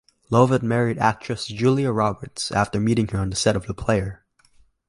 Lovett married actress Julia Roberts after meeting her on the set of "The Player".